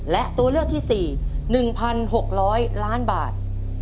และตัวเลือกที่๔๑๖๐๐ล้านบาท